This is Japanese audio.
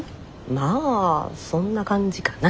まあそんな感じかな。